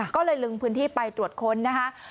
ก็เลยลงพื้นที่ไปตรวจค้นนะคะ